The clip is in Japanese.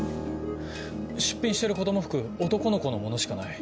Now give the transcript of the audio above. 出品してる子供服男の子のものしかない。